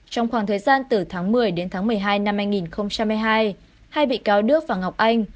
trong khoảng thời gian từ tháng một mươi đến tháng một mươi hai năm hai nghìn hai mươi hai hai bị cáo đức và ngọc anh